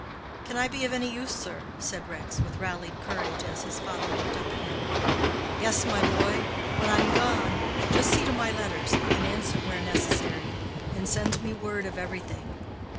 "Can I be of any use, sir?" said Rex, with rallied courage, as his father looked up at him. "Yes, my boy; when I'm gone, just see to my letters, and answer where necessary, and send me word of everything.